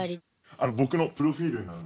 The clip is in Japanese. あの僕のプロフィールになるので。